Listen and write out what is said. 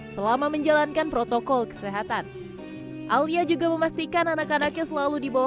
selama menjalankan protokol kesehatan alia juga memastikan anak anaknya selalu dibawa